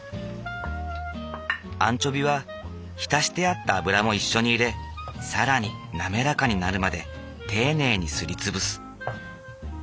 アンチョビは浸してあった油も一緒に入れ更に滑らかになるまで丁寧にすり潰す。